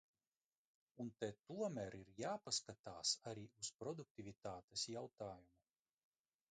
Un te tomēr ir jāpaskatās arī uz produktivitātes jautājumu.